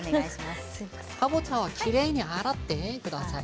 かぼちゃはきれいに洗ってください。